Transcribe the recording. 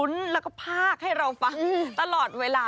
นี่แหละ